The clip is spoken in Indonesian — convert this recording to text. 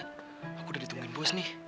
aku udah ditungguin bos nih